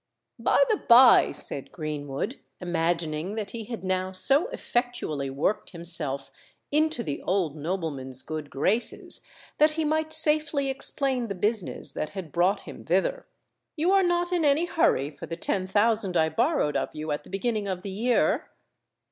"By the bye," said Greenwood, imagining that he had now so effectually worked himself into the old nobleman's good graces that he might safely explain the business that had brought him thither; "you are not in any hurry for the ten thousand I borrowed of you at the beginning of the year?"